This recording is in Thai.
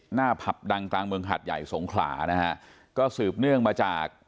ผับดังกลางเมืองหาดใหญ่สงขลานะฮะก็สืบเนื่องมาจาก